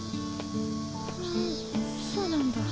ふんそうなんだ。